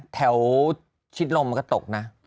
แถวชิดลมก็ตกนะ